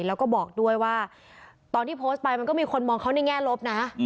แล้วก็บอกด้วยว่าตอนที่โพสต์ไปมันก็มีคนมองเขาในแง่ลบนะ